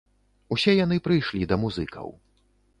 Усе яны прыйшлі да музыкаў.